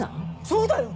そうだよ！